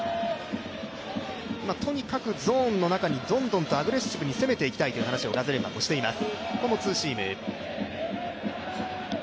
とにかくゾーンの中にどんどんとアグレッシブに攻めていきたいとガゼルマンもしています。